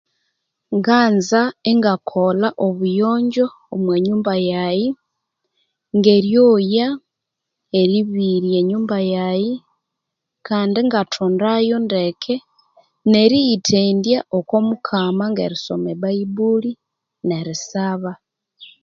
Nganza ingakolha obuyonjo omwa nyumba yayi nge ryoya eribirya enyumba yayi kandi ingathondayo ndeke ne riyithendya oko mukama ngeri soma ebayibuli nerisaba